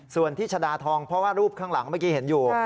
ส่วนที่ชะดาทองเพราะว่ารูปข้างหลังเมื่อกี้เห็นอยู่